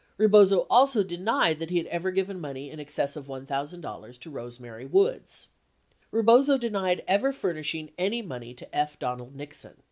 61 Rebozo also denied that he had ever given money in excess of $1,000 to Rose Mary Woods. 62 Rebozo denied ever furnish ing any money to F. Donald Nixon.